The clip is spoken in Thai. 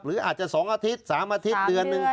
หรืออาจจะสองอาทิตย์สามอาทิตย์เดือนนึง